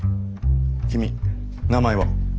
君名前は？